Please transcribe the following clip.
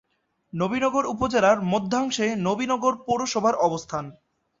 নবীনগর উপজেলার মধ্যাংশে নবীনগর পৌরসভার অবস্থান।